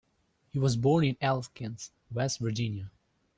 He was born in Elkins, West Virginia.